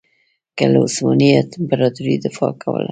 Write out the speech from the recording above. که له عثماني امپراطورۍ دفاع کوله.